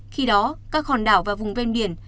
khi đó các hòn đảo và vùng ven biển